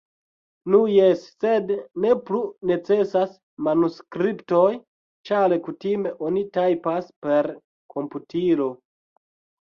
Nu jes, sed ne plu necesas manuskriptoj, ĉar kutime oni tajpas per komputilo.